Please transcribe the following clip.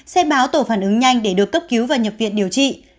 sẽ báo tổ phản ứng nhanh để được cấp cứu và nhập viện điều trị